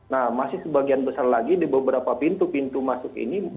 nah masih sebagian besar lagi di beberapa pintu pintu masuk ini